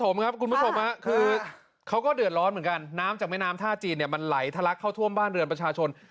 คุณผู้ชมครับคือเขาก็เดือดร้อนเหมือนกันน้ำจากแม่น้ำท่าจีนเนี่ยมันไหลทะลักเข้าท่วมบ้านเรือนประชาชน